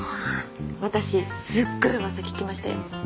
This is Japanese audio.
私すごい噂聞きましたよ。